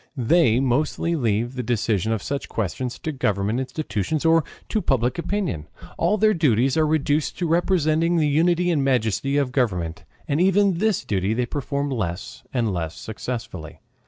They mostly leave the decision of such questions to government institutions or to public opinion. All their duties are reduced to representing the unity and majesty of government. And even this duty they perform less and less successfully.